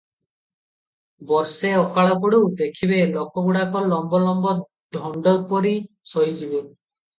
ବର୍ଷେ ଅକାଳ ପଡ଼ୁ, ଦେଖିବେ, ଲୋକଗୁଡାକ ଲମ୍ବ ଲମ୍ବ ଧଣ୍ଡ ପରି ଶୋଇଯିବେ ।